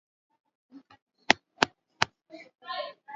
na linakalia sehemu kubwa ya bara la Amerika